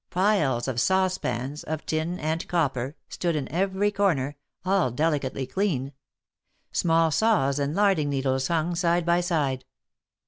Piles of sauce pans, of tin and copper, stood in every corner, all delicately clean; small saws and larding needles hung side by side.